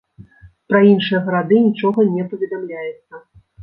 Пра іншыя гарады нічога не паведамляецца.